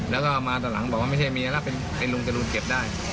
แล้วก็มาตอนหลังบอกว่าไม่ใช่เมียแล้วเป็นไอ้ลุงจรูนเก็บได้